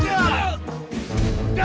mau lagi apa enggak